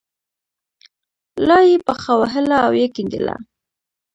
لا یې پښه وهله او یې کیندله.